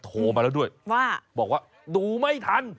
โทรมาแล้วด้วยว่าบอกว่าดูไม่ทัน